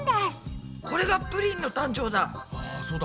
これがプリンの誕生だ。